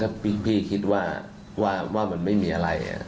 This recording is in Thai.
แล้วพี่คิดว่ามันไม่มีอะไร